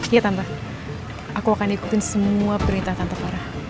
iya tante aku akan ikutin semua perintah tante farah